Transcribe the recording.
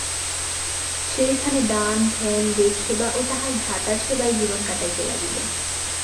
সেই খানে দান, ধ্যান, দেবসেবা ও তাহার ভ্রাতার সেবায় জীবন কাটাইতে লাগিল।